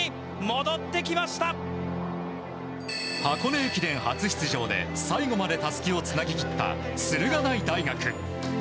箱根駅伝初出場で最後までたすきをつなぎ切った駿河台大学。